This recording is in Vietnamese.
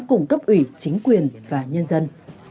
cùng cấp ủy chính quyền và nhân dân